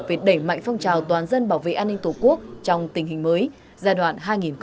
về đẩy mạnh phong trào toàn dân bảo vệ an ninh tổ quốc trong tình hình mới giai đoạn hai nghìn hai mươi ba hai nghìn ba mươi ba